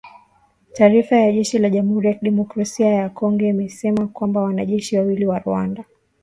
Taarifa ya jeshi la Jamuhuri ya Demokrasia ya Kongo imesema kwamba wanajeshi wawili wa Rwanda